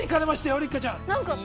六花ちゃん。